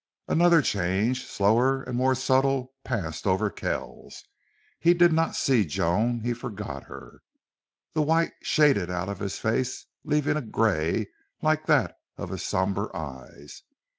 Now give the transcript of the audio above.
Another change, slower and more subtle, passed over Kells. He did not see Joan. He forgot her. The white shaded out of his face, leaving a gray like that of his somber eyes.